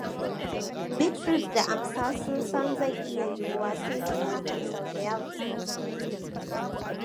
Bitrus da Amsa sun san zai iya yiwuwa sai yayi hakan sau da yawa.